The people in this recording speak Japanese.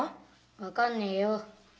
分かんねえよ。